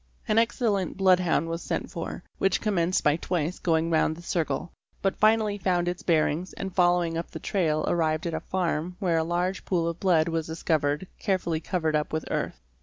An excellent bloodhound was sent for, which commenced by twice going round the circle, but finally found its bearings and following up the trail arrived at a farm where a large pool of blood was discovered carefully covered up with earth.